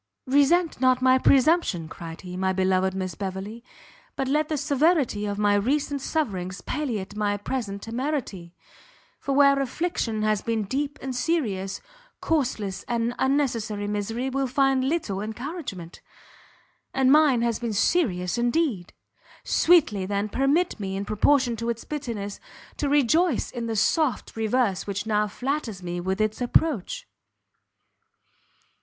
"Resent not my presumption," cried he, "my beloved Miss Beverley, but let the severity of my recent sufferings palliate my present temerity; for where affliction has been deep and serious, causeless and unnecessary misery will find little encouragement; and mine has been serious indeed! Sweetly, then, permit me, in proportion to its bitterness, to rejoice in the soft reverse which now flatters me with its approach."